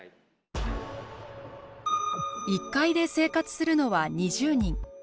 １階で生活するのは２０人。